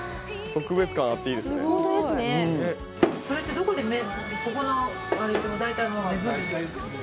それってどこで。